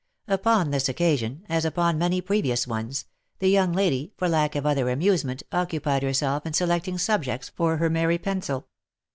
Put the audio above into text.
Upon this occasion, as upon many previous ones, the young lady, for lack of other amusement, occu pied herself in selecting subjects for her merry pencil.